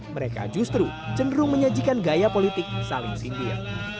mereka justru cenderung menyajikan gaya politik saling sindir